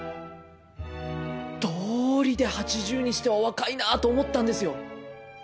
どうりで８０にしては若いなと思ったんですよ。